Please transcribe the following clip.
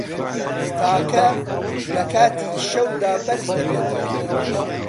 تاکە له کاتی شەودا بەرز دەبێتەوه